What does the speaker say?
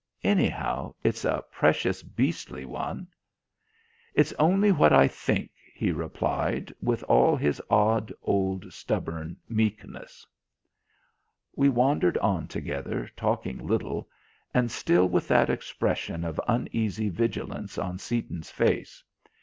Anyhow, it's a precious beastly one." "It's only what I think," he replied, with all his odd old stubborn meekness. We wandered on together, talking little, and still with that expression of uneasy vigilance on Seaton's face.